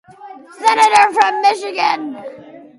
Senator from Michigan.